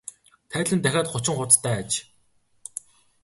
Тайлан нь дахиад гучин хуудастай аж.